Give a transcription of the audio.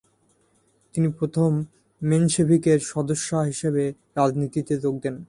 তিনি প্রথম মেনশেভিকের সদস্যা হিসাবে রাজনীতিতে যোগ দেন।